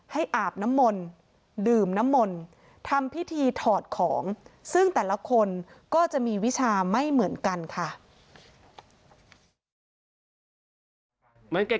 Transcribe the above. อาบน้ำมนต์ดื่มน้ำมนต์ทำพิธีถอดของซึ่งแต่ละคนก็จะมีวิชาไม่เหมือนกันค่ะ